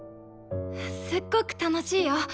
すっごく楽しいよ！